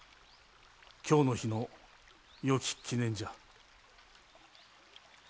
今日の日のよき記念じゃ。